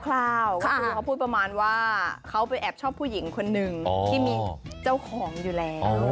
คุณครูเขาพูดประมาณว่าเขาไปแอบชอบผู้หญิงคนหนึ่งที่มีเจ้าของอยู่แล้ว